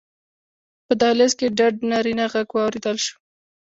په دهلېز کې ډډ نارينه غږ واورېدل شو: